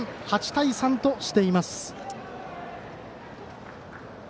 ８対３としています。